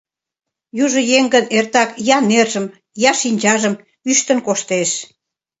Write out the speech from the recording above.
Южо еҥ гын эртак я нержым, я шинчажым ӱштын коштеш.